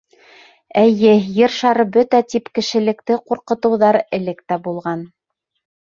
Эйе, Ер шары бөтә тип кешелекте ҡурҡытыуҙар элек тә булған.